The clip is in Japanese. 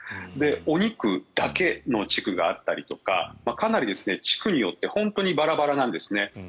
お肉だけの地区があったりとかかなり地区によって本当にバラバラなんですね。